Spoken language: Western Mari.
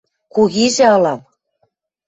– Кугижӓ ылам...